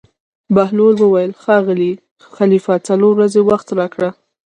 بهلول وویل: ښاغلی خلیفه څلور ورځې وخت راکړه.